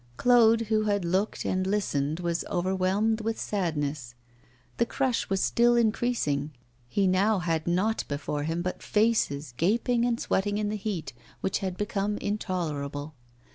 Claude, who had looked and listened, was overwhelmed with sadness. The crush was still increasing, he now had nought before him but faces gaping and sweating in the heat, which had become intolerable.